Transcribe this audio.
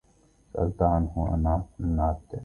سألتَ عنه أَنْعَتَ النُّعاتِ